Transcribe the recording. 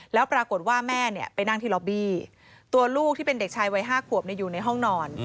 แล้วปรากฏว่าแม่เนี่ยไปนั่งที่ล็อบบี้ตัวลูกที่เป็นเด็กชายวัย๕ขวบอยู่ในห้องนอน